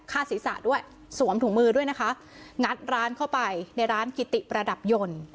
ศีรษะด้วยสวมถุงมือด้วยนะคะงัดร้านเข้าไปในร้านกิติประดับยนต์